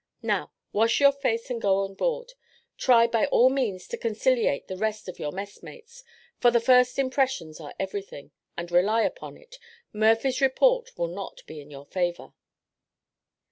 Now wash your face and go on board. Try by all means to conciliate the rest of your messmates, for first impressions are everything, and rely on it, Murphy's report will not be in your favour."